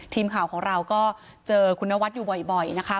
ทีมข่าวของเราก็เจอคุณนวัดอยู่บ่อยนะคะ